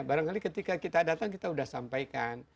barangkali ketika kita datang kita sudah sampaikan